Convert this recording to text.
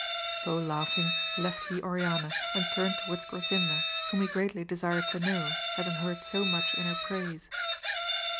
So laughing left he Oriana and turne^ to* wards Grasinda, whom he greatly desired to know, having heard so much in her praise.